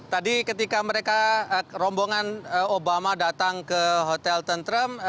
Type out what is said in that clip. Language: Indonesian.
tadi ketika mereka rombongan obama datang ke hotel tentrem